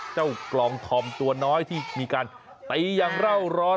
เจ้ากลองทอมตัวน้อยที่มีการตะยังเล่าร้อน